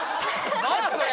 何やそれ！